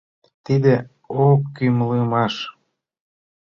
Тиде ӧкымлымаш!